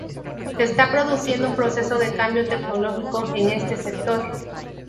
Se está produciendo un proceso de cambio tecnológico en este sector.